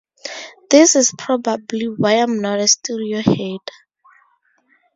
This is probably why I'm not a studio head.